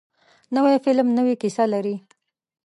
نوی فلم نوې کیسه لري